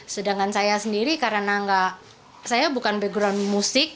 sedangkan saya sendiri karena nggak saya bukan background musik